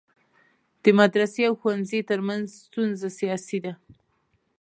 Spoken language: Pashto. د مدرسي او ښوونځی ترمنځ ستونزه سیاسي ده.